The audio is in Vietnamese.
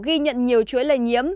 ghi nhận nhiều chuỗi lây nhiễm